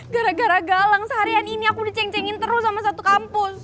gara gara galang seharian ini aku diceng cengin terus sama satu kampus